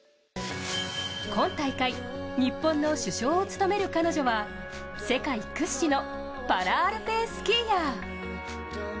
今大会、日本の主将を務める彼女は世界屈指のパラアルペンスキーヤー。